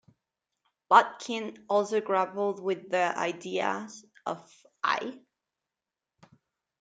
Bodkin also grappled with the ideas of I.